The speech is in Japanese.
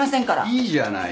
いいじゃないの。